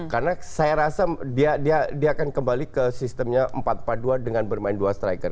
karena saya rasa dia akan kembali ke sistemnya empat empat dua dengan bermain dua striker